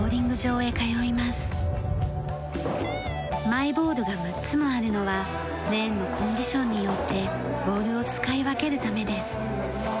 マイボールが６つもあるのはレーンのコンディションによってボールを使い分けるためです。